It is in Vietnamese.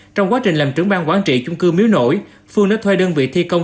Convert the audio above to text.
trong quá trình làm trưởng bang quản trị chung cư miếu nổi phương đã thuê đơn vị thi công